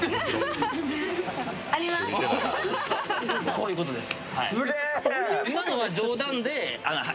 こういうことです。